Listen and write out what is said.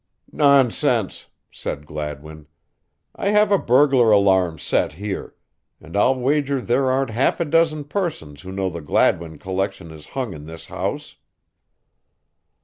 "Nonsense," said Gladwin. "I have a burglar alarm set here, and I'll wager there aren't half a dozen persons who know the Gladwin collection is hung in this house."